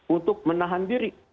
untuk menahan diri